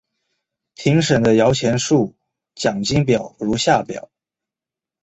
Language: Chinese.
评审的摇钱树奖金表如下表。